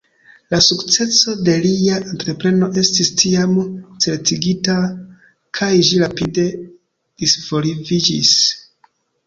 La sukceso de lia entrepreno estis tiam certigita kaj ĝi rapide disvolviĝis.